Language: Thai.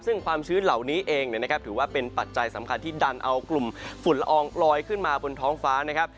ซึ่งความชื้นเหล่านี้เองนะครับถือว่าเป็นปัจจัยสำคัญที่ดันเอากลุ่มฝุ่นละอองลอยขึ้นมาบนท้องฟ้านะครับ